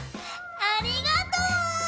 ありがとう！